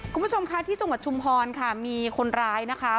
คุณผู้ชมค่ะที่จังหวัดชุมพรค่ะมีคนร้ายนะคะ